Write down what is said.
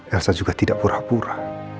elsa juga tidak pura pura